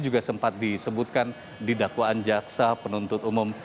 juga sempat disebutkan di dakwaan jaksa penuntut umum